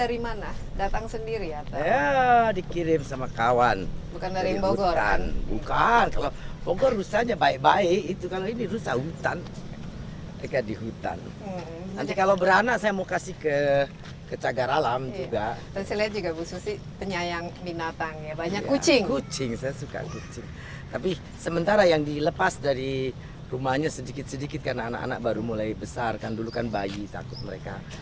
rusak rusak rusak rusak rusak rusak rusak rusak rusak rusak rusak rusak rusak rusak rusak rusak rusak rusak rusak rusak rusak